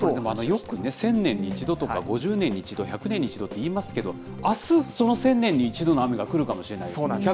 よくね、１０００年に１度とか、５０年に１度、１００年に１度と言いますけれども、あす、その１０００年に１度の雨が降るかもしれない。